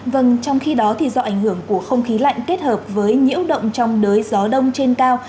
vâng trong khi đó do ảnh hưởng của không khí lạnh kết hợp với nhiễu động trong đới gió đông trên cao